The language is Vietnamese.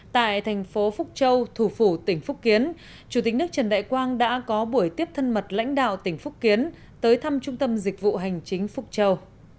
tại thành phố phúc châu thủ phủ tỉnh phúc kiến chủ tịch nước trần đại quang đã có buổi tiếp thân mật lãnh đạo tỉnh phúc kiến tới thăm trung tâm dịch vụ hành chính phúc châu